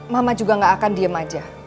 mama juga gak akan diem aja